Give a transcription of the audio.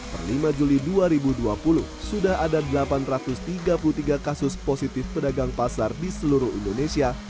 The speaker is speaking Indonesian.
per lima juli dua ribu dua puluh sudah ada delapan ratus tiga puluh tiga kasus positif pedagang pasar di seluruh indonesia